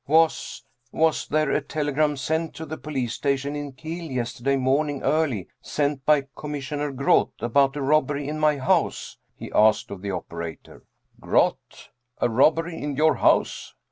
" Was was there a telegram sent to the police station in Kiel yesterday morning early sent by Commissioner Groth about a robbery in my house?" he asked of the operator. " Groth a robbery in your house